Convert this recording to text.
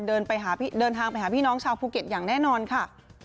เดินทางไปหาพี่น้องชาวภูเก็ตอย่างแน่นอนค่ะ